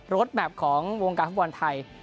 แมพของวงการฟุตบอลไทย